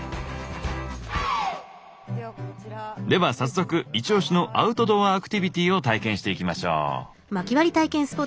では早速イチオシのアウトドアアクティビティを体験していきましょう。